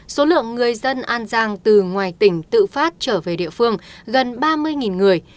số lượng người dân an giang từ ngoài tỉnh tự phát trở về địa phương gần ba mươi người